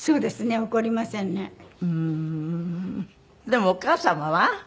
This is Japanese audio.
でもお母様は？